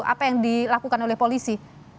apa yang dilakukan oleh polisi